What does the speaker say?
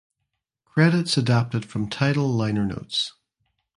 Credits adapted from Tidal liner notes.